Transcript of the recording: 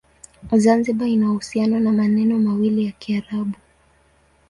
Zanzibar ina uhusiano na maneno mawili ya Kiarabu.